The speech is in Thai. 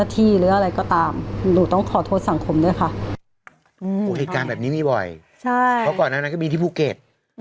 เพราะก่อนหน้านั้นก็มีที่ภูเกษ